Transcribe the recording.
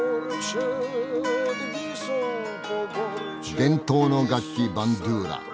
伝統の楽器バンドゥーラ。